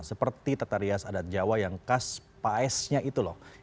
seperti tetarias adat jawa yang khas paesnya itu lho